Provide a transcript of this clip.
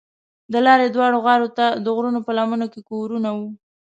د لارې دواړو غاړو ته د غرونو په لمنو کې کورونه وو.